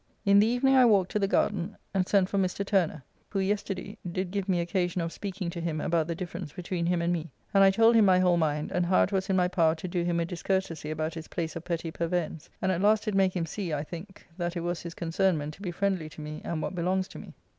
In the evening I walked to the garden and sent for Mr. Turner (who yesterday did give me occasion of speaking to him about the difference between him and me), and I told him my whole mind, and how it was in my power to do him a discourtesy about his place of petty purveyance, and at last did make him see (I think) that it was his concernment to be friendly to me and what belongs to me.